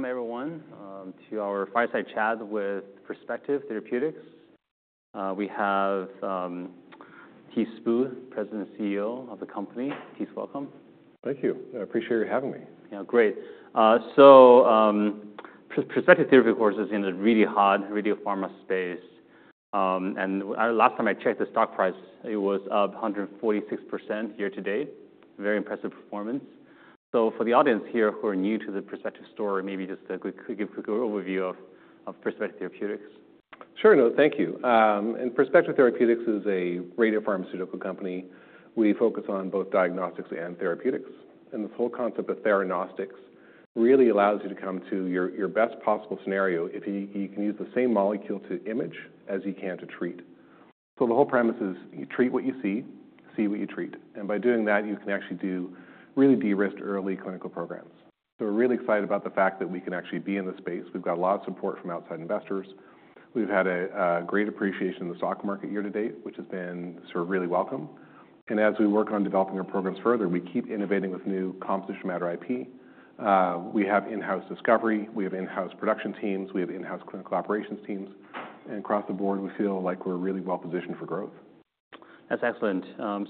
Very well. Welcome, everyone, to our fireside chat with Perspective Therapeutics. We have Thijs Spoor, President and CEO of the company. Thijs, welcome. Thank you. I appreciate you having me. Yeah, great. So, Perspective Therapeutics is in the really hot radiopharma space. And last time I checked the stock price, it was up 146% year to date. Very impressive performance. So for the audience here who are new to the Perspective story, maybe just a quick, quick, quick overview of Perspective Therapeutics. Sure, no, thank you, and Perspective Therapeutics is a radiopharmaceutical company. We focus on both diagnostics and therapeutics, and the whole concept of theranostics really allows you to come to your best possible scenario if you can use the same molecule to image as you can to treat, so the whole premise is you treat what you see, see what you treat, and by doing that, you can actually do really de-risked early clinical programs. So we're really excited about the fact that we can actually be in the space. We've got a lot of support from outside investors. We've had a great appreciation in the stock market year to date, which has been sort of really welcome, and as we work on developing our programs further, we keep innovating with new composition of matter IP. We have in-house discovery. We have in-house production teams. We have in-house clinical operations teams, and across the board, we feel like we're really well positioned for growth. That's excellent.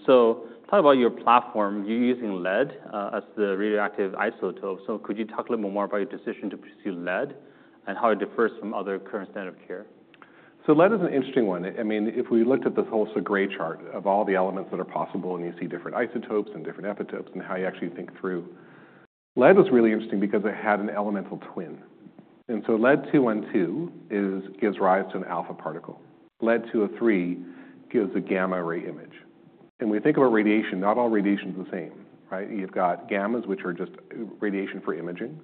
So talk about your platform. You're using lead, as the radioactive isotope. So could you talk a little bit more about your decision to pursue lead and how it differs from other current standards of care? Lead is an interesting one. I mean, if we looked at this whole sort of great chart of all the elements that are possible and you see different isotopes and different isotones and how you actually think through, lead was really interesting because it had an elemental twin. Lead-212 gives rise to an alpha particle. Lead-203 gives a gamma ray image. When we think about radiation, not all radiation is the same, right? You've got gammas, which are just radiation for imaging,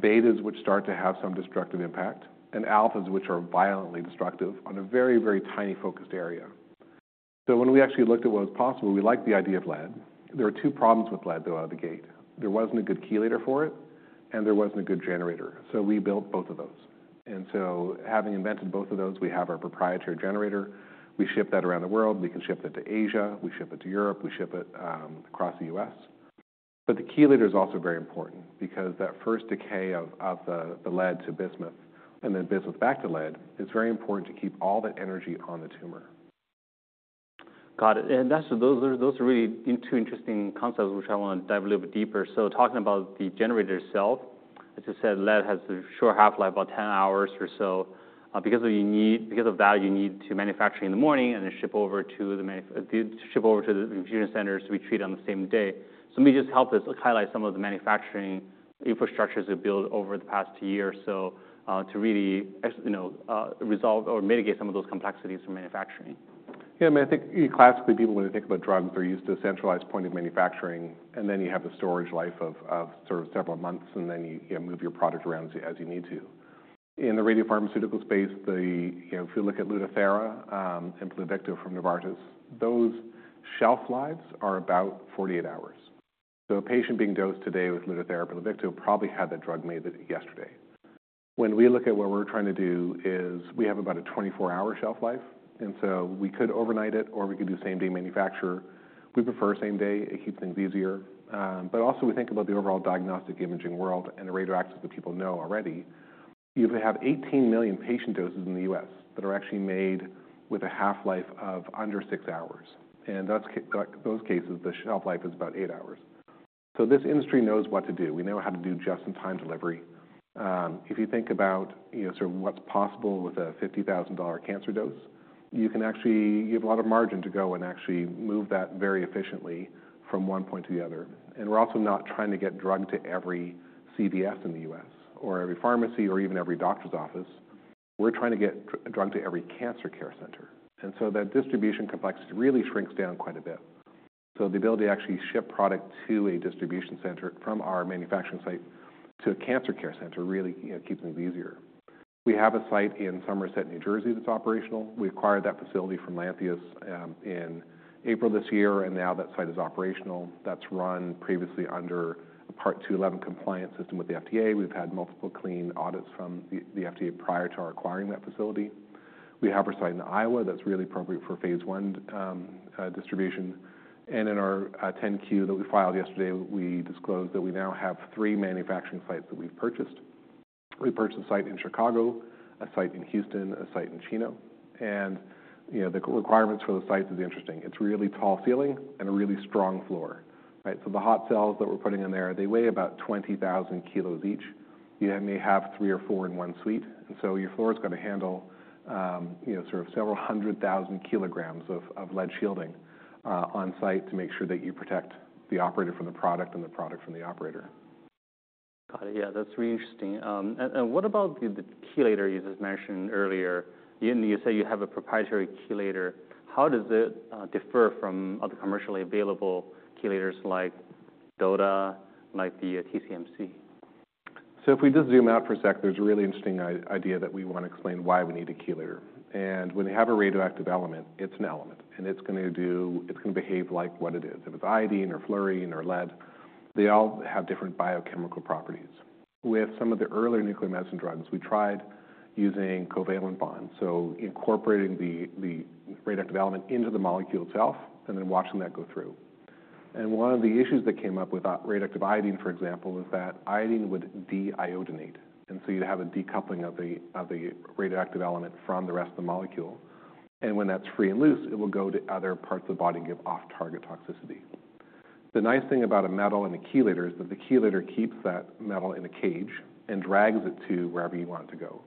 betas, which start to have some destructive impact, and alphas, which are violently destructive on a very, very tiny focused area. When we actually looked at what was possible, we liked the idea of lead. There were two problems with lead, though, out of the gate. There wasn't a good chelator for it, and there wasn't a good generator. So we built both of those. And so having invented both of those, we have our proprietary generator. We ship that around the world. We can ship it to Asia. We ship it to Europe. We ship it across the US. But the chelator is also very important because that first decay of the lead to bismuth and then bismuth back to lead is very important to keep all that energy on the tumor. Got it. And those are really two interesting concepts which I want to dive a little bit deeper. Talking about the generator itself, as you said, lead has a short half-life, about 10 hours or so. Because of that, you need to manufacture in the morning and then ship over to the infusion centers to be treated on the same day. Maybe just help us highlight some of the manufacturing infrastructures you've built over the past year or so, to really, you know, resolve or mitigate some of those complexities in manufacturing. Yeah, I mean, I think classically people, when they think about drugs, they're used to a centralized point of manufacturing, and then you have the storage life of sort of several months, and then you know, move your product around as you need to. In the radiopharmaceutical space, you know, if you look at Lutathera and Pluvicto from Novartis, those shelf lives are about 48 hours. So a patient being dosed today with Lutathera, Pluvicto probably had that drug made yesterday. When we look at what we're trying to do is we have about a 24-hour shelf life. And so we could overnight it or we could do same-day manufacture. We prefer same-day. It keeps things easier. But also we think about the overall diagnostic imaging world and the radioactives that people know already. You have 18 million patient doses in the U.S. that are actually made with a half-life of under six hours. And that's in those cases, the shelf life is about eight hours. So this industry knows what to do. We know how to do just-in-time delivery. If you think about, you know, sort of what's possible with a $50,000 cancer dose, you can actually, you have a lot of margin to go and actually move that very efficiently from one point to the other. And we're also not trying to get drug to every CVS in the U.S. or every pharmacy or even every doctor's office. We're trying to get drug to every cancer care center. And so that distribution complexity really shrinks down quite a bit. So the ability to actually ship product to a distribution center from our manufacturing site to a cancer care center really, you know, keeps things easier. We have a site in Somerset, New Jersey, that's operational. We acquired that facility from Lantheus, in April this year, and now that site is operational. That's run previously under a Part 211 compliance system with the FDA. We've had multiple clean audits from the FDA prior to our acquiring that facility. We have our site in Iowa that's really appropriate for Phase 1 distribution. And in our 10-Q that we filed yesterday, we disclosed that we now have three manufacturing sites that we've purchased. We purchased a site in Chicago, a site in Houston, a site in Chino. And, you know, the requirements for the sites is interesting. It's really tall ceiling and a really strong floor, right? The hot cells that we're putting in there, they weigh about 20,000 kilos each. You may have three or four in one suite. Your floor's gonna handle, you know, sort of several hundred thousand kilograms of lead shielding on site to make sure that you protect the operator from the product and the product from the operator. Got it. Yeah, that's really interesting. And what about the chelator you just mentioned earlier? You said you have a proprietary chelator. How does it differ from other commercially available chelators like DOTA, like the TCMC? So if we just zoom out for a sec, there's a really interesting idea that we want to explain why we need a chelator. And when you have a radioactive element, it's an element, and it's gonna do, it's gonna behave like what it is. If it's iodine or fluorine or lead, they all have different biochemical properties. With some of the earlier nuclear medicine drugs, we tried using covalent bonds, so incorporating the radioactive element into the molecule itself and then watching that go through. And one of the issues that came up with radioactive iodine, for example, is that iodine would de-iodinate. And so you'd have a decoupling of the radioactive element from the rest of the molecule. And when that's free and loose, it will go to other parts of the body and give off-target toxicity. The nice thing about a metal and a chelator is that the chelator keeps that metal in a cage and drags it to wherever you want it to go.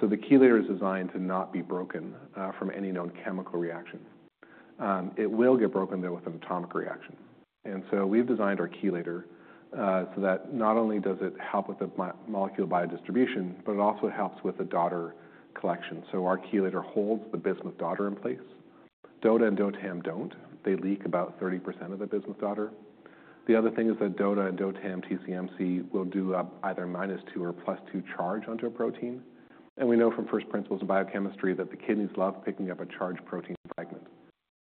So the chelator is designed to not be broken from any known chemical reaction. It will get broken, though, with an atomic reaction. And so we've designed our chelator, so that not only does it help with the molecule biodistribution, but it also helps with the daughter collection. So our chelator holds the bismuth daughter in place. DOTA and DOTAM don't. They leak about 30% of the bismuth daughter. The other thing is that DOTA and DOTAM TCMC will do either minus two or plus two charge onto a protein. And we know from first principles of biochemistry that the kidneys love picking up a charged protein fragment.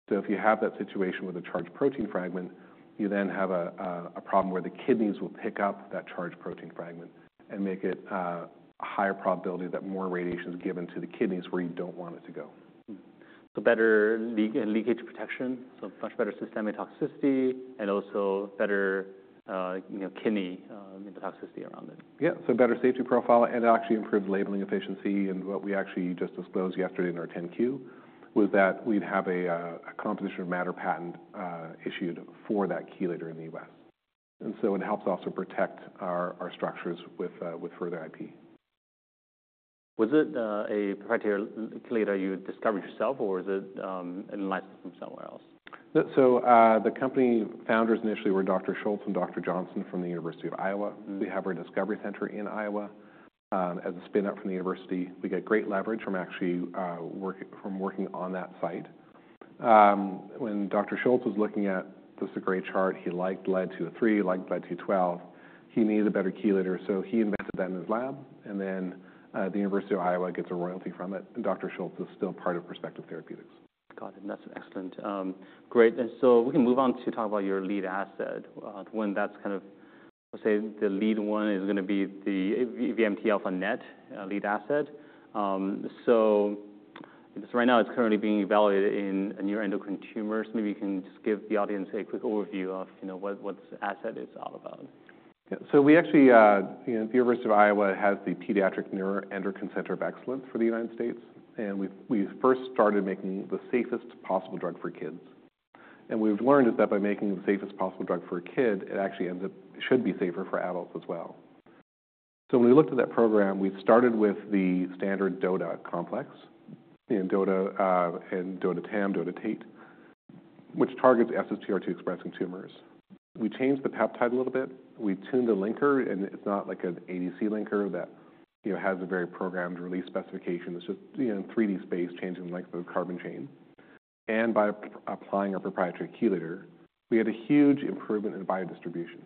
If you have that situation with a charged protein fragment, you then have a problem where the kidneys will pick up that charged protein fragment and make it a higher probability that more radiation is given to the kidneys where you don't want it to go. So better leakage protection, so much better systemic toxicity, and also better, you know, kidney toxicity around it. Yeah, so better safety profile and actually improved labeling efficiency. And what we actually just disclosed yesterday in our 10-Q was that we'd have a composition of matter patent, issued for that chelator in the U.S. And so it helps also protect our structures with further IP. Was it, a proprietary chelator you discovered yourself, or was it, analyzed from somewhere else? The company founders initially were Dr. Schultz and Dr. Johnson from the University of Iowa. We have our discovery center in Iowa, as a spin-out from the university. We got great leverage from actually working on that site. When Dr. Schultz was looking at this. This is a great chart. He liked Lead-213, liked Lead-212. He needed a better chelator, so he invented that in his lab. Then, the University of Iowa gets a royalty from it. Dr. Schultz is still part of Perspective Therapeutics. Got it. That's excellent. Great. And so we can move on to talk about your lead asset. When that's kind of, let's say the lead one is gonna be the VMT-α-NET, lead asset. So right now it's currently being evaluated in neuroendocrine tumors. Maybe you can just give the audience a quick overview of, you know, what, what this asset is all about. Yeah, so we actually, you know, the University of Iowa has the Pediatric Neuroendocrine Center of Excellence for the United States. And we, we first started making the safest possible drug for kids. And we've learned that by making the safest possible drug for a kid, it actually ends up should be safer for adults as well. So when we looked at that program, we started with the standard DOTA complex, you know, DOTA, and DOTATAM, DOTATATE, which targets SSTR2-expressing tumors. We changed the peptide a little bit. We tuned the linker, and it's not like an ADC linker that, you know, has a very programmed release specification. It's just, you know, in 3D space, changing the length of the carbon chain. And by applying our proprietary chelator, we had a huge improvement in biodistribution.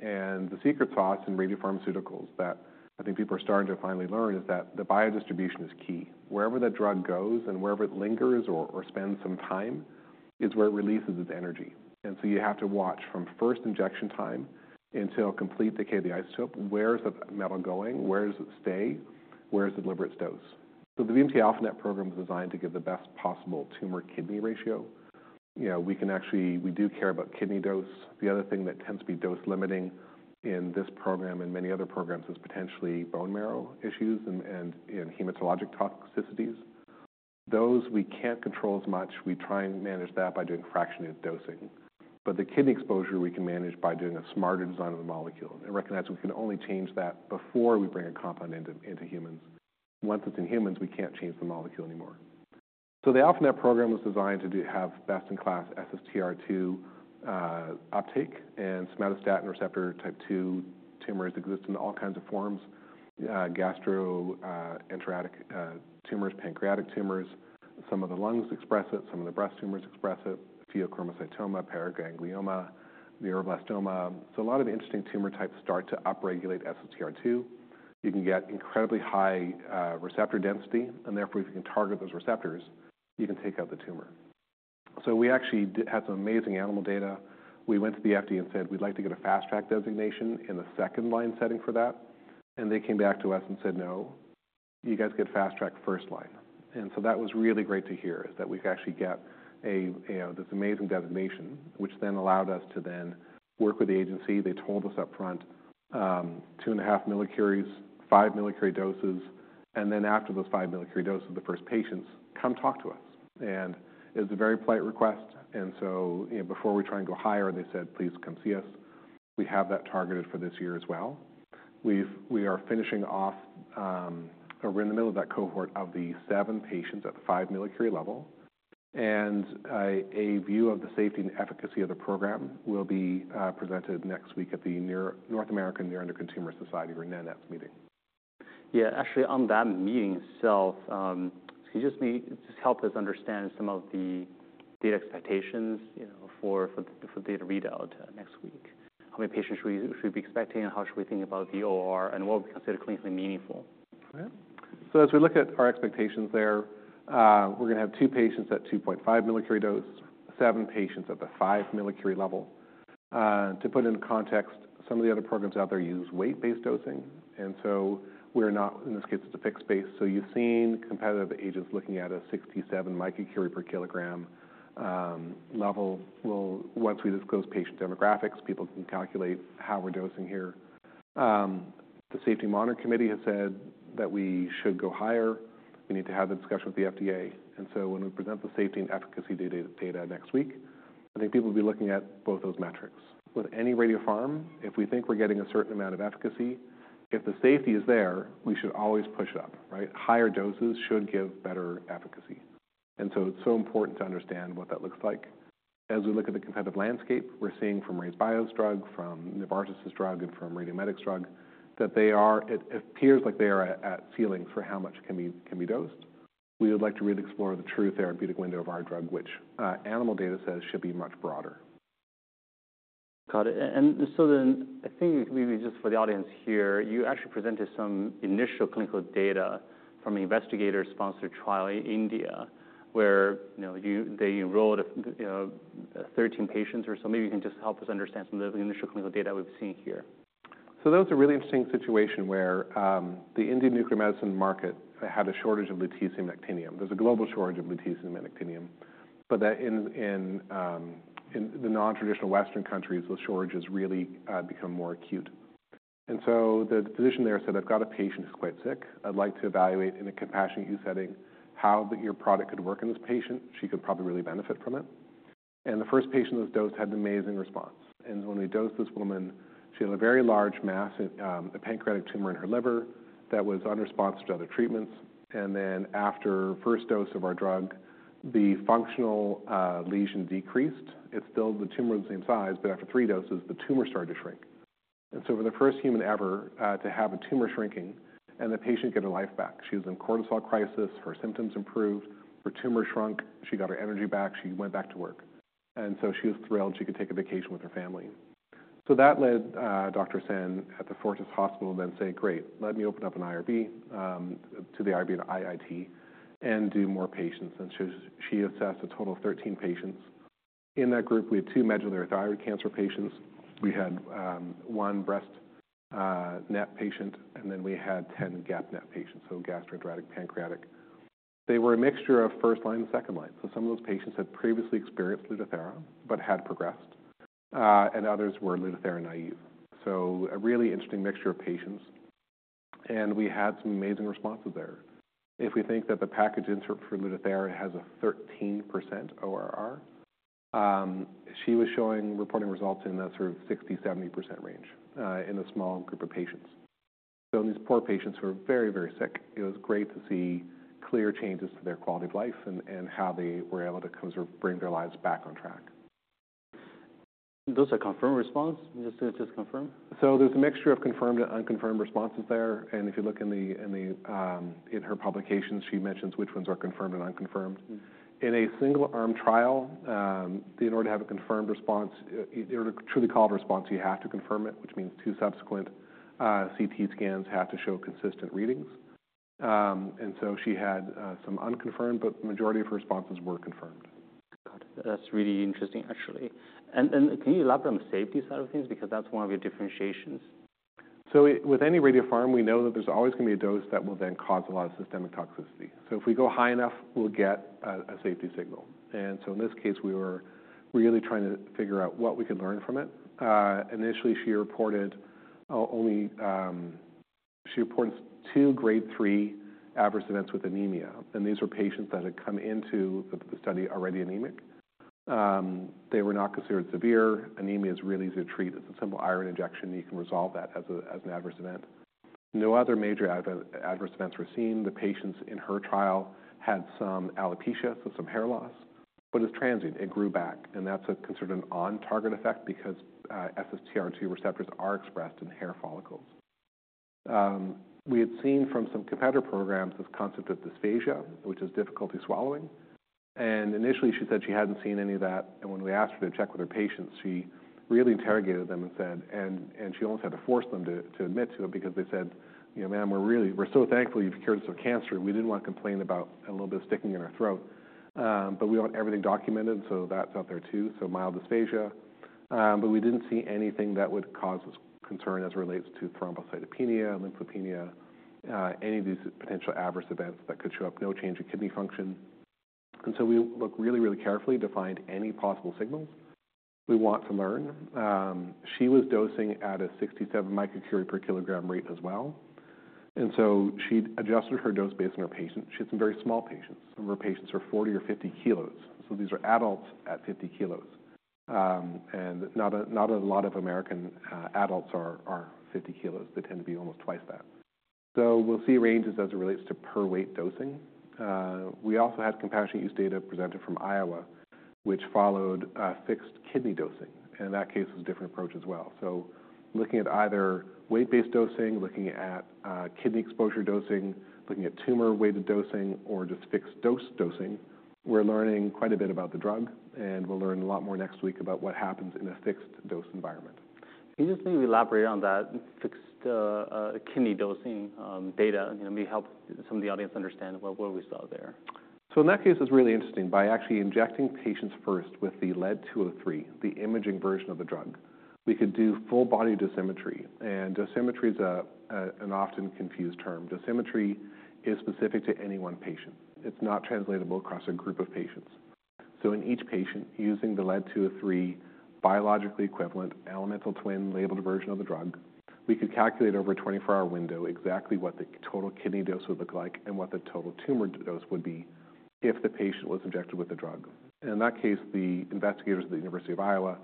And the secret sauce in radiopharmaceuticals that I think people are starting to finally learn is that the biodistribution is key. Wherever that drug goes and wherever it lingers or spends some time is where it releases its energy. And so you have to watch from first injection time until complete decay of the isotope, where's the metal going, where does it stay, where does it deliver its dose? So the VMT-α-NET program was designed to give the best possible tumor-kidney ratio. You know, we can actually, we do care about kidney dose. The other thing that tends to be dose-limiting in this program and many other programs is potentially bone marrow issues and hematologic toxicities. Those we can't control as much. We try and manage that by doing fractionated dosing. But the kidney exposure we can manage by doing a smarter design of the molecule. Recognize we can only change that before we bring a compound into humans. Once it's in humans, we can't change the molecule anymore. The VMT-α-NET program was designed to have best-in-class SSTR2 uptake, and somatostatin receptor type 2 tumors exist in all kinds of forms, gastroenteropancreatic tumors, pancreatic tumors. Some of the lungs express it. Some of the breast tumors express it. Pheochromocytoma, paraganglioma, neuroblastoma. A lot of interesting tumor types start to upregulate SSTR2. You can get incredibly high receptor density, and therefore if you can target those receptors, you can take out the tumor. We actually had some amazing animal data. We went to the FDA and said, "We'd like to get a Fast Track designation in the second-line setting for that." And they came back to us and said, "No, you guys get Fast Track first-line." And so that was really great to hear is that we could actually get a, you know, this amazing designation, which then allowed us to then work with the agency. They told us upfront, two and a half millicuries, five millicurie doses. And then after those five millicurie doses, the first patients come talk to us. And it was a very polite request. And so, you know, before we try and go higher, they said, "Please come see us." We have that targeted for this year as well. We are finishing off, or we're in the middle of that cohort of the seven patients at the five millicurie level. A view of the safety and efficacy of the program will be presented next week at the North American Neuroendocrine Tumor Society, or NANETS, meeting. Yeah, actually on that meeting itself, could you just maybe help us understand some of the data expectations, you know, for the data readout next week? How many patients should we be expecting and how should we think about the OR and what would be considered clinically meaningful? Right. So as we look at our expectations there, we're gonna have two patients at 2.5 mCi dose, seven patients at the 5 mCi level. To put it in context, some of the other programs out there use weight-based dosing. And so we're not, in this case, it's a fixed dose. So you've seen competitive agents looking at a 67 μCi per kilogram level. Well, once we disclose patient demographics, people can calculate how we're dosing here. The Safety Monitoring Committee has said that we should go higher. We need to have the discussion with the FDA. And so when we present the safety and efficacy data next week, I think people will be looking at both those metrics. With any radiopharm, if we think we're getting a certain amount of efficacy, if the safety is there, we should always push up, right? Higher doses should give better efficacy. It's so important to understand what that looks like. As we look at the competitive landscape, we're seeing from RayzeBio's drug, from Novartis' drug, and from RadioMedix's drug that they are, it appears like they are at ceilings for how much can be dosed. We would like to really explore the true therapeutic window of our drug, which animal data says should be much broader. Got it. And so then I think maybe just for the audience here, you actually presented some initial clinical data from an investigator-sponsored trial in India where, you know, they enrolled, 13 patients or so. Maybe you can just help us understand some of the initial clinical data we've seen here. So that was a really interesting situation where the Indian nuclear medicine market had a shortage of lutetium and actinium. There's a global shortage of lutetium and actinium. But that in the non-traditional Western countries, those shortages really become more acute. And so the physician there said, "I've got a patient who's quite sick. I'd like to evaluate in a compassionate use setting how your product could work in this patient. She could probably really benefit from it." And the first patient of this dose had an amazing response. And when we dosed this woman, she had a very large mass, a pancreatic tumor in her liver that was unresponsive to other treatments. And then after first dose of our drug, the functional lesion decreased. It's still the tumor of the same size, but after three doses, the tumor started to shrink. And so we're the first human ever to have a tumor shrinking and the patient get her life back. She was in carcinoid crisis. Her symptoms improved. Her tumor shrunk. She got her energy back. She went back to work. And so she was thrilled she could take a vacation with her family. So that led Dr. Sen at the Fortis Hospital then say, "Great, let me open up an IRB to the IRB and IIT and do more patients." And so she assessed a total of 13 patients. In that group, we had two medullary thyroid cancer patients. We had one breast NET patient, and then we had 10 GEP-NET patients, so gastroenteropancreatic pancreatic. They were a mixture of first-line and second-line. So some of those patients had previously experienced Lutathera, but had progressed, and others were Lutathera naive. So a really interesting mixture of patients. We had some amazing responses there. If we think that the package insert for Lutathera has a 13% ORR, she was showing reporting results in that sort of 60%-70% range, in a small group of patients. In these poor patients who are very, very sick, it was great to see clear changes to their quality of life and how they were able to sort of bring their lives back on track. Those are confirmed responses. Just, just confirm. There's a mixture of confirmed and unconfirmed responses there. And if you look in her publications, she mentions which ones are confirmed and unconfirmed. In a single-arm trial, in order to have a confirmed response, in order to truly call a response, you have to confirm it, which means two subsequent CT scans have to show consistent readings. She had some unconfirmed, but the majority of her responses were confirmed. Got it. That's really interesting, actually. And can you elaborate on the safety side of things because that's one of your differentiations? So with any radiopharm, we know that there's always gonna be a dose that will then cause a lot of systemic toxicity. So if we go high enough, we'll get a safety signal. And so in this case, we were really trying to figure out what we could learn from it. Initially, she reports two grade three adverse events with anemia. And these were patients that had come into the study already anemic. They were not considered severe. Anemia is really easy to treat. It's a simple iron injection and you can resolve that as an adverse event. No other major adverse events were seen. The patients in her trial had some alopecia, so some hair loss, but it's transient. It grew back. And that's considered an on-target effect because SSTR2 receptors are expressed in hair follicles. We had seen from some competitor programs this concept of dysphagia, which is difficulty swallowing. And initially, she said she hadn't seen any of that. And when we asked her to check with her patients, she really interrogated them and said she almost had to force them to admit to it because they said, you know, ma'am, we're really so thankful you've cured us of cancer. We didn't want to complain about a little bit of sticking in our throat. But we want everything documented." So that's out there too. So mild dysphagia. But we didn't see anything that would cause us concern as it relates to thrombocytopenia, lymphopenia, any of these potential adverse events that could show up, no change in kidney function. And so we look really, really carefully to find any possible signals. We want to learn. She was dosing at a 67 microcurie per kilogram rate as well. She adjusted her dose based on her patients. She had some very small patients. Some of her patients are 40 or 50 kilos. These are adults at 50 kilos, and not a lot of American adults are 50 kilos. They tend to be almost twice that. We'll see ranges as it relates to per-weight dosing. We also had compassionate use data presented from Iowa, which followed a fixed kidney dosing. In that case, it was a different approach as well. Looking at either weight-based dosing, kidney exposure dosing, tumor-weighted dosing, or just fixed dose dosing, we're learning quite a bit about the drug. We'll learn a lot more next week about what happens in a fixed dose environment. Can you just maybe elaborate on that fixed kidney dosing data? You know, maybe help some of the audience understand what we saw there. So in that case, it's really interesting. By actually injecting patients first with the Lead-203, the imaging version of the drug, we could do full body dosimetry. And dosimetry is an often confused term. Dosimetry is specific to any one patient. It's not translatable across a group of patients. So in each patient, using the Lead-203 biologically equivalent elemental twin labeled version of the drug, we could calculate over a 24-hour window exactly what the total kidney dose would look like and what the total tumor dose would be if the patient was injected with the drug. And in that case, the investigators at the University of Iowa,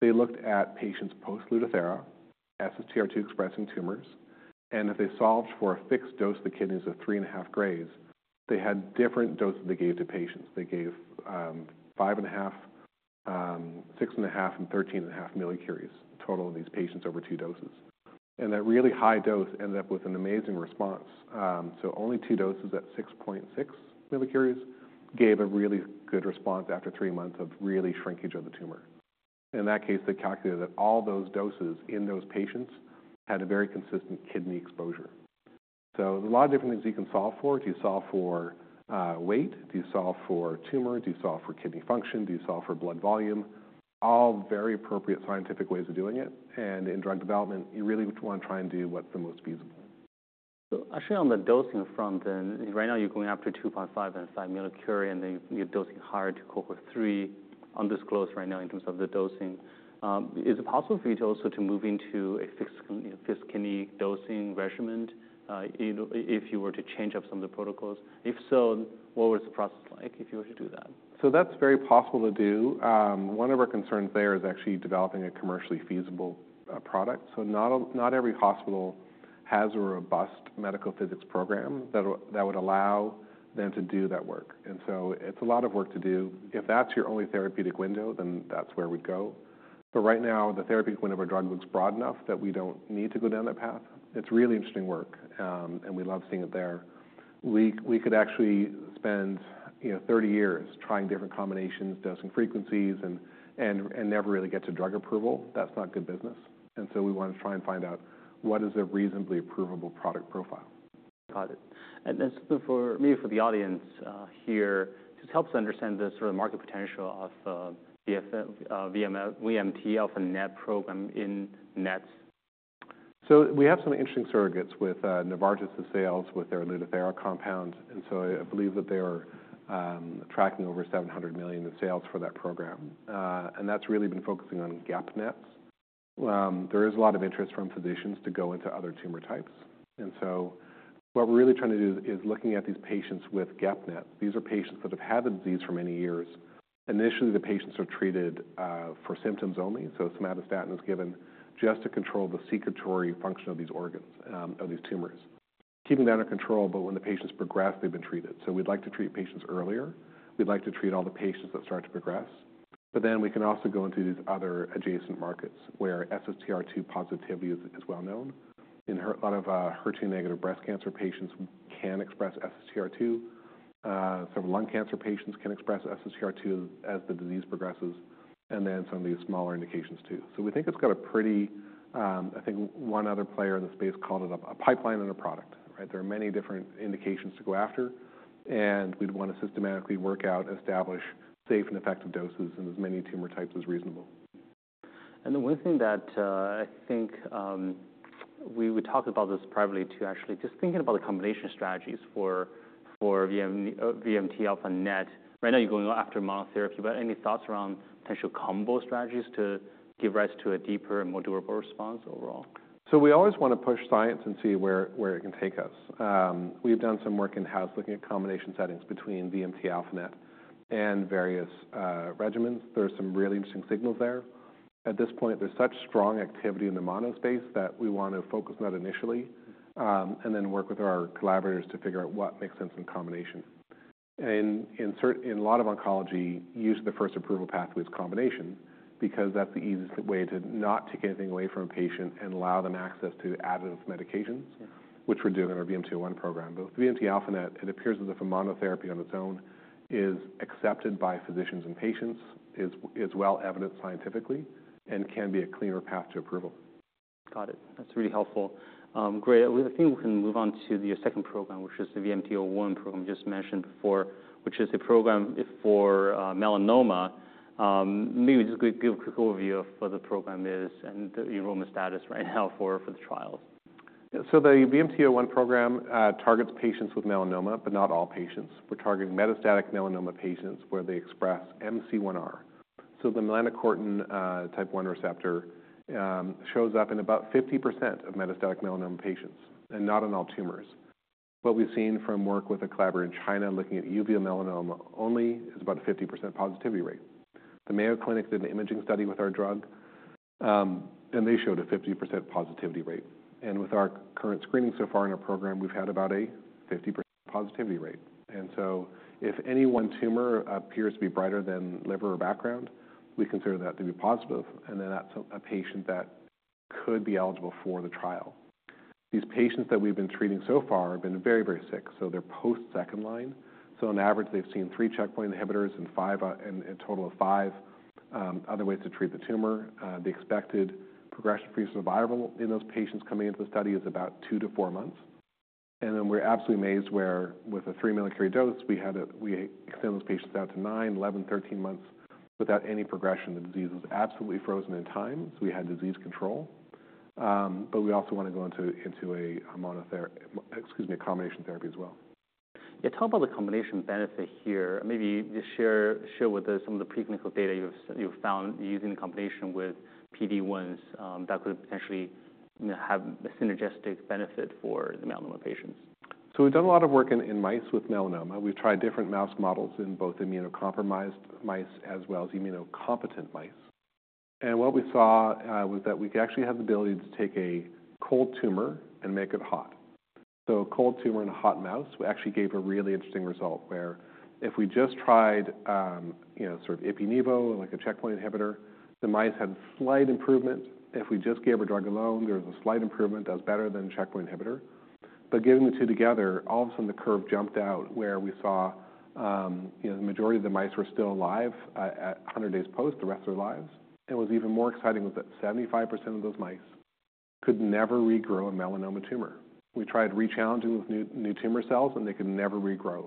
they looked at patients post-Lutathera, SSTR2 expressing tumors. And if they solved for a fixed dose of the kidneys of three and a half grays, they had different doses they gave to patients. They gave five and a half, six and a half, and 13 and a half millicuries total in these patients over two doses. And that really high dose ended up with an amazing response. So only two doses at 6.6 millicuries gave a really good response after three months of really shrinkage of the tumor. In that case, they calculated that all those doses in those patients had a very consistent kidney exposure. So there's a lot of different things you can solve for. Do you solve for weight? Do you solve for tumor? Do you solve for kidney function? Do you solve for blood volume? All very appropriate scientific ways of doing it. And in drug development, you really want to try and do what's the most feasible. Actually on the dosing front, right now you're going after 2.5 and 5 millicurie, and then you're dosing higher to Cohort 3, undisclosed right now in terms of the dosing. Is it possible for you to also move into a fixed, fixed kidney dosing regimen, you know, if you were to change up some of the protocols? If so, what was the process like if you were to do that? So that's very possible to do. One of our concerns there is actually developing a commercially feasible product. So not every hospital has a robust medical physics program that would allow them to do that work. And so it's a lot of work to do. If that's your only therapeutic window, then that's where we'd go. But right now, the therapeutic window of our drug looks broad enough that we don't need to go down that path. It's really interesting work. And we love seeing it there. We could actually spend, you know, 30 years trying different combinations, dosing frequencies, and never really get to drug approval. That's not good business. And so we want to try and find out what is a reasonably approvable product profile. Got it. And that's for maybe for the audience, here, just helps understand the sort of market potential of VMT-α-NET program in NETs. So we have some interesting surrogates with Novartis's sales with their Lutathera compound. And so I believe that they are tracking over $700 million in sales for that program. And that's really been focusing on GEP-NETs. There is a lot of interest from physicians to go into other tumor types. And so what we're really trying to do is looking at these patients with GEP-NETs. These are patients that have had the disease for many years. Initially, the patients are treated for symptoms only. So somatostatin is given just to control the secretory function of these organs, of these tumors, keeping that under control. But when the patients progress, they've been treated. So we'd like to treat patients earlier. We'd like to treat all the patients that start to progress. But then we can also go into these other adjacent markets where SSTR2 positivity is well known. In a lot of HER2-negative breast cancer patients can express SSTR2. Some lung cancer patients can express SSTR2 as the disease progresses, and then some of these smaller indications too. So we think it's got a pretty. I think one other player in the space called it a pipeline and a product, right? There are many different indications to go after. And we'd want to systematically work out, establish safe and effective doses in as many tumor types as reasonable. The one thing that, I think, we would talk about this privately too, actually, just thinking about the combination strategies for VMT-α-NET. Right now you're going after monotherapy, but any thoughts around potential combo strategies to give rise to a deeper and more durable response overall? So we always want to push science and see where it can take us. We've done some work in-house looking at combination settings between VMT-α-NET and various regimens. There's some really interesting signals there. At this point, there's such strong activity in the mono space that we want to focus on that initially, and then work with our collaborators to figure out what makes sense in combination. And in certain, in a lot of oncology, usually the first approval pathway is combination because that's the easiest way to not take anything away from a patient and allow them access to additive medications, which we're doing in our VMT-01 program. But VMT-α-NET, it appears as if a monotherapy on its own is accepted by physicians and patients, is well evidenced scientifically, and can be a cleaner path to approval. Got it. That's really helpful. Great. I think we can move on to the second program, which is the VMT-01 program you just mentioned before, which is a program for melanoma. Maybe just give a quick overview of what the program is and the enrollment status right now for the trials. So the VMT-01 program targets patients with melanoma, but not all patients. We're targeting metastatic melanoma patients where they express MC1R. So the melanocortin type 1 receptor shows up in about 50% of metastatic melanoma patients and not in all tumors. What we've seen from work with a collaborator in China looking at uveal melanoma only is about a 50% positivity rate. The Mayo Clinic did an imaging study with our drug, and they showed a 50% positivity rate. And with our current screening so far in our program, we've had about a 50% positivity rate. And so if any one tumor appears to be brighter than liver or background, we consider that to be positive. And then that's a patient that could be eligible for the trial. These patients that we've been treating so far have been very, very sick. So they're post-second line. So on average, they've seen three checkpoint inhibitors and five, and a total of five, other ways to treat the tumor. The expected progression-free survival in those patients coming into the study is about two to four months. And then we're absolutely amazed where with a three millicurie dose, we extend those patients out to nine, 11, 13 months without any progression. The disease was absolutely frozen in time. So we had disease control. But we also want to go into a monotherapy, excuse me, a combination therapy as well. Yeah. Talk about the combination benefit here. Maybe just share with us some of the preclinical data you've found using the combination with PD-1s, that could potentially have a synergistic benefit for the melanoma patients. So we've done a lot of work in mice with melanoma. We've tried different mouse models in both immunocompromised mice as well as immunocompetent mice. And what we saw was that we could actually have the ability to take a cold tumor and make it hot. So a cold tumor in a hot mouse actually gave a really interesting result where if we just tried, you know, sort of Opdivo like a checkpoint inhibitor, the mice had slight improvement. If we just gave a drug alone, there was a slight improvement. That's better than checkpoint inhibitor. But giving the two together, all of a sudden the curve jumped out where we saw, you know, the majority of the mice were still alive at 100 days post, the rest of their lives. And what's even more exciting was that 75% of those mice could never regrow a melanoma tumor. We tried re-challenging with new tumor cells and they could never regrow.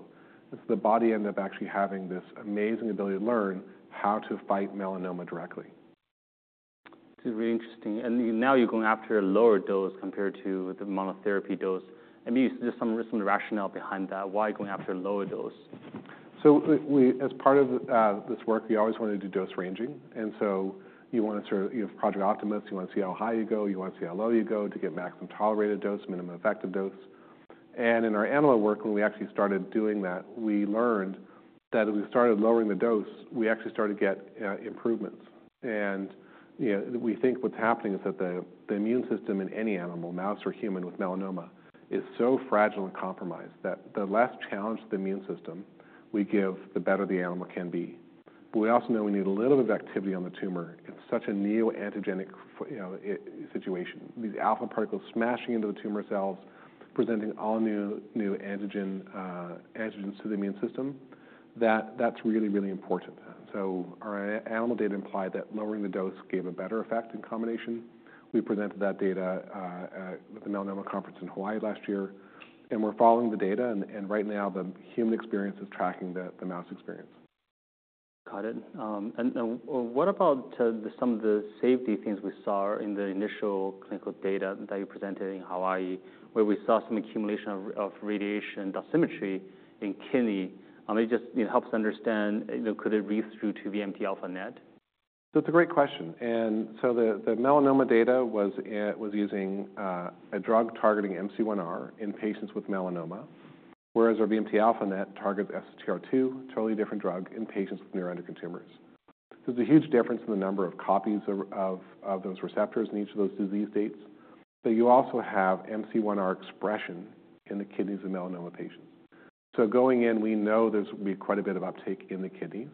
And so the body ended up actually having this amazing ability to learn how to fight melanoma directly. It's really interesting. And now you're going after a lower dose compared to the monotherapy dose. And maybe just some rationale behind that. Why going after a lower dose? We as part of this work, we always wanted to do dose ranging. You want to sort of, you know, Project Optimus, you want to see how high you go, you want to see how low you go to get maximum tolerated dose, minimum effective dose. In our animal work, when we actually started doing that, we learned that as we started lowering the dose, we actually started to get improvements. You know, we think what's happening is that the immune system in any animal, mouse or human with melanoma, is so fragile and compromised that the less challenged the immune system we give, the better the animal can be. We also know we need a little bit of activity on the tumor. It's such a neoantigen, you know, situation. These alpha particles smashing into the tumor cells, presenting all new antigens to the immune system that's really, really important. So our animal data implied that lowering the dose gave a better effect in combination. We presented that data at the Melanoma Conference in Hawaii last year, and right now the human experience is tracking the mouse experience. Got it. And what about some of the safety things we saw in the initial clinical data that you presented in Hawaii, where we saw some accumulation of radiation dosimetry in kidney? It just, you know, helps understand, you know, could it read through to VMT-α-NET? That's a great question. And so the melanoma data was using a drug targeting MC1R in patients with melanoma, whereas our VMT-α-NET targets SSTR2, totally different drug in patients with neuroendocrine tumors. There's a huge difference in the number of copies of those receptors in each of those disease states. But you also have MC1R expression in the kidneys of melanoma patients. So going in, we know there's going to be quite a bit of uptake in the kidneys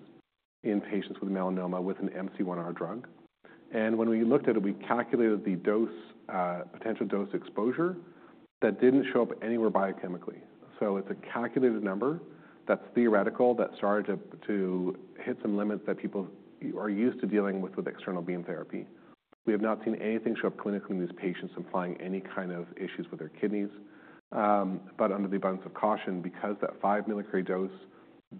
in patients with melanoma with an MC1R drug. And when we looked at it, we calculated the dose, potential dose exposure that didn't show up anywhere biochemically. So it's a calculated number that's theoretical that started to hit some limits that people are used to dealing with with external beam therapy. We have not seen anything show up clinically in these patients implying any kind of issues with their kidneys, but under the abundance of caution, because that five millicurie dose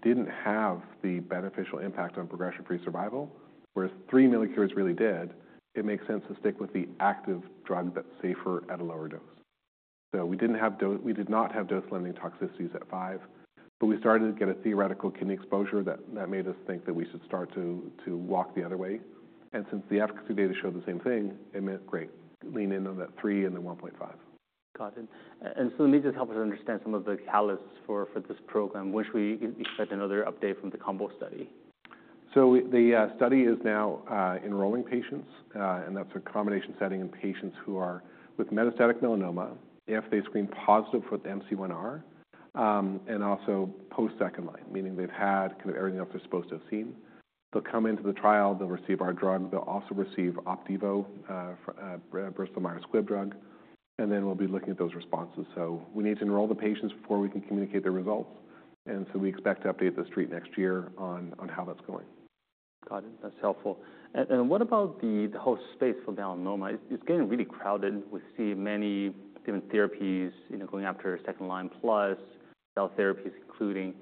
didn't have the beneficial impact on progression-free survival, whereas three millicuries really did, it makes sense to stick with the active drug that's safer at a lower dose, so we did not have dose-limiting toxicities at five, but we started to get a theoretical kidney exposure that made us think that we should start to walk the other way, and since the efficacy data showed the same thing, it meant great, lean in on that three and the 1.5. Got it. And so maybe just help us understand some of the catalysts for this program, which we expect another update from the combo study. So the study is now enrolling patients, and that's a combination setting in patients who are with metastatic melanoma. If they screen positive for the MC1R, and also post-second line, meaning they've had kind of everything else they're supposed to have seen, they'll come into the trial, they'll receive our drug, they'll also receive Opdivo, Bristol Myers Squibb drug, and then we'll be looking at those responses. So we need to enroll the patients before we can communicate their results. And so we expect to update the street next year on how that's going. Got it. That's helpful. And what about the whole space for melanoma? It's getting really crowded. We see many different therapies, you know, going after second line plus cell therapies, including,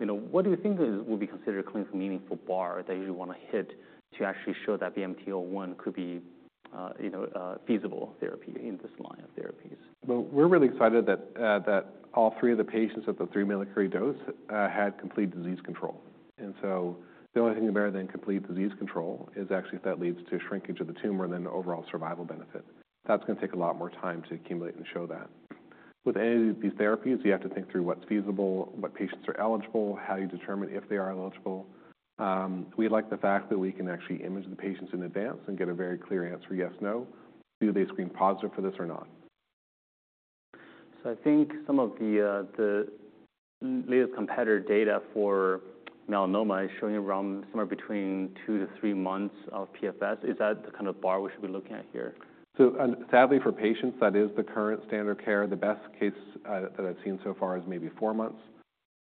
you know, what do you think will be considered a clinically meaningful bar that you want to hit to actually show that VMT-01 could be, you know, feasible therapy in this line of therapies? We're really excited that all three of the patients at the three millicurie dose had complete disease control. So the only thing about it then complete disease control is actually if that leads to shrinkage of the tumor and then overall survival benefit. That's going to take a lot more time to accumulate and show that. With any of these therapies, you have to think through what's feasible, what patients are eligible, how you determine if they are eligible. We like the fact that we can actually image the patients in advance and get a very clear answer, yes, no, do they screen positive for this or not? I think some of the latest competitor data for melanoma is showing around somewhere between two to three months of PFS. Is that the kind of bar we should be looking at here? So, and sadly for patients, that is the current standard care. The best case, that I've seen so far is maybe four months.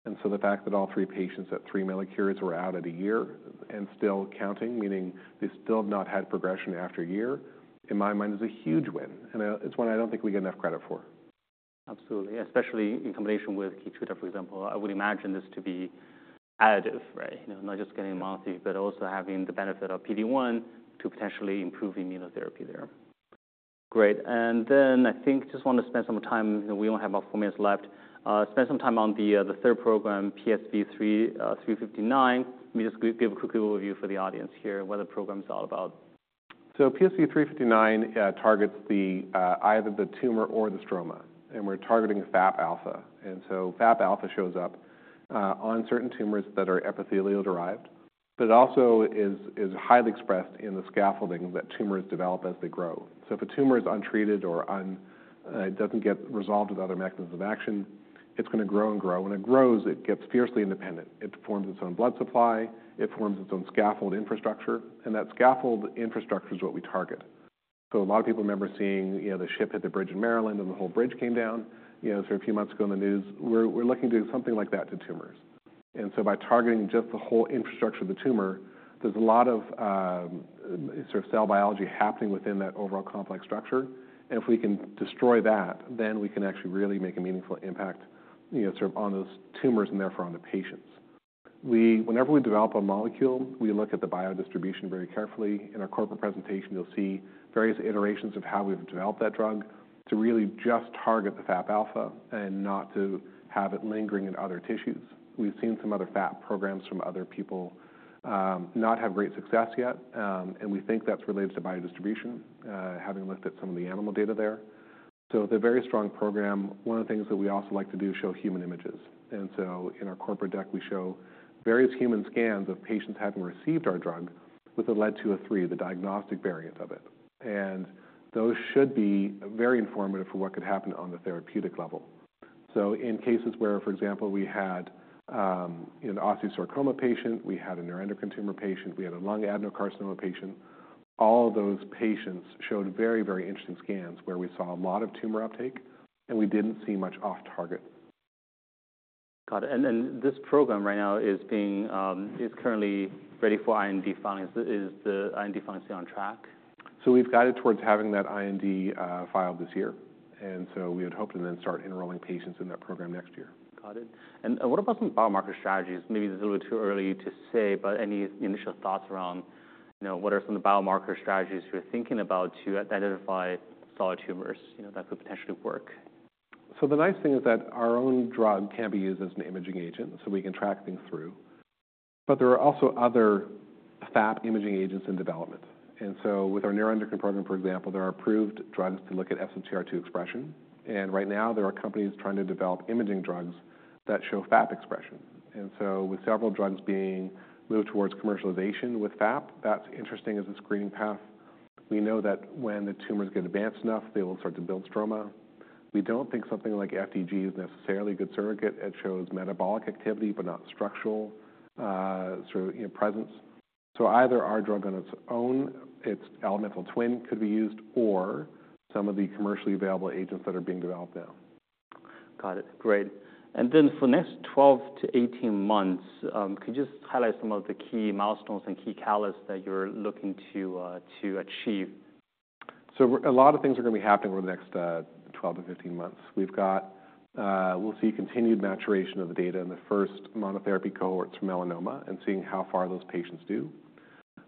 And so the fact that all three patients at three millicuries were out at a year and still counting, meaning they still have not had progression after a year, in my mind is a huge win. And it's one I don't think we get enough credit for. Absolutely. Especially in combination with Keytruda, for example, I would imagine this to be additive, right? You know, not just getting monotherapy, but also having the benefit of PD1 to potentially improve immunotherapy there. Great. And then I think just want to spend some more time, you know, we only have about four minutes left. Spend some time on the third program, PSV359. Maybe just give a quick overview for the audience here and what the program's all about. PSV359 targets either the tumor or the stroma. We're targeting FAP alpha. FAP alpha shows up on certain tumors that are epithelial derived, but it also is highly expressed in the scaffolding that tumors develop as they grow. If a tumor is untreated or doesn't get resolved with other mechanisms of action, it's going to grow and grow. When it grows, it gets fiercely independent. It forms its own blood supply, it forms its own scaffold infrastructure, and that scaffold infrastructure is what we target. A lot of people remember seeing, you know, the ship hit the bridge in Maryland and the whole bridge came down, you know, sort of a few months ago in the news. We're looking to do something like that to tumors. And so by targeting just the whole infrastructure of the tumor, there's a lot of, sort of cell biology happening within that overall complex structure. And if we can destroy that, then we can actually really make a meaningful impact, you know, sort of on those tumors and therefore on the patients. We, whenever we develop a molecule, we look at the biodistribution very carefully. In our corporate presentation, you'll see various iterations of how we've developed that drug to really just target the FAP alpha and not to have it lingering in other tissues. We've seen some other FAP programs from other people, not have great success yet. And we think that's related to biodistribution, having looked at some of the animal data there. So it's a very strong program. One of the things that we also like to do is show human images. In our corporate deck, we show various human scans of patients having received our drug with a Lead-203, the diagnostic variant of it. Those should be very informative for what could happen on the therapeutic level. In cases where, for example, we had, you know, an osteosarcoma patient, we had a neuroendocrine tumor patient, we had a lung adenocarcinoma patient, all of those patients showed very, very interesting scans where we saw a lot of tumor uptake and we didn't see much off target. Got it. And this program right now is currently ready for IND filing. Is the IND filing still on track? We've guided towards having that IND, filed this year, and so we had hoped to then start enrolling patients in that program next year. Got it. And what about some biomarker strategies? Maybe it's a little bit too early to say, but any initial thoughts around, you know, what are some of the biomarker strategies you're thinking about to identify solid tumors, you know, that could potentially work? The nice thing is that our own drug can be used as an imaging agent, so we can track things through. But there are also other FAP imaging agents in development. And so with our neuroendocrine program, for example, there are approved drugs to look at SSTR2 expression. And right now there are companies trying to develop imaging drugs that show FAP expression. And so with several drugs being moved towards commercialization with FAP, that's interesting as a screening path. We know that when the tumors get advanced enough, they will start to build stroma. We don't think something like FDG is necessarily a good surrogate. It shows metabolic activity, but not structural, sort of, you know, presence. So either our drug on its own, its elemental twin could be used, or some of the commercially available agents that are being developed now. Got it. Great. And then for the next 12 to 18 months, could you just highlight some of the key milestones and key catalysts that you're looking to achieve? So a lot of things are going to be happening over the next 12 to 15 months. We've got we'll see continued maturation of the data in the first monotherapy cohorts for melanoma and seeing how far those patients do.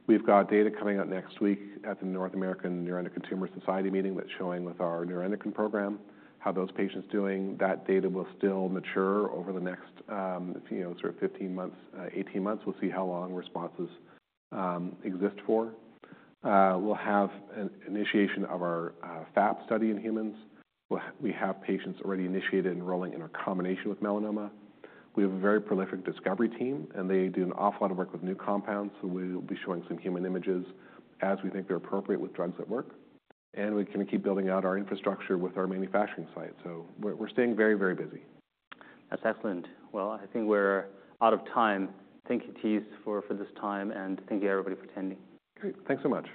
We've got data coming out next week at the North American Neuroendocrine Tumor Society meeting that's showing with our neuroendocrine program how those patients are doing. That data will still mature over the next, you know, sort of 15 to 18 months. We'll see how long responses exist for. We'll have an initiation of our FAP study in humans. We have patients already initiated enrolling in our combination with melanoma. We have a very prolific discovery team, and they do an awful lot of work with new compounds. So we'll be showing some human images as we think they're appropriate with drugs that work. We're going to keep building out our infrastructure with our manufacturing site. We're staying very, very busy. That's excellent. Well, I think we're out of time. Thank you, Thijs, for this time and thank you everybody for attending. Great. Thanks so much.